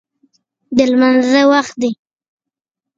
د لمانځه وخت دی